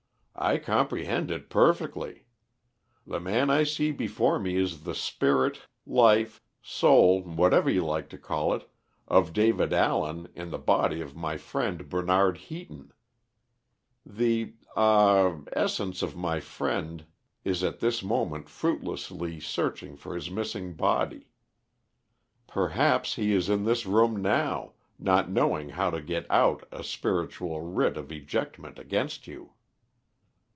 "I comprehend it perfectly. The man I see before me is the spirit, life, soul, whatever you like to call it of David Allen in the body of my friend Bernard Heaton. The ah essence of my friend is at this moment fruitlessly searching for his missing body. Perhaps he is in this room now, not knowing how to get out a spiritual writ of ejectment against you."